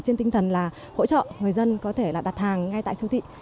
trên tinh thần là hỗ trợ người dân có thể là đặt hàng ngay tại siêu thị